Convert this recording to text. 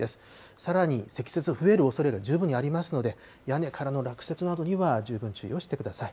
さらに積雪、増えるおそれが十分にありますので、屋根からの落雪などには十分注意をしてください。